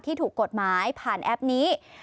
ถูกกฎหมายผ่านแอปนี้